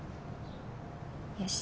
よし！